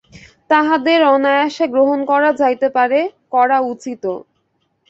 তাহাদের অনায়াসে গ্রহণ করা যাইতে পারে, করা উচিতও।